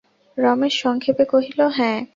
রমেশ সংক্ষেপে কহিল, হাঁ।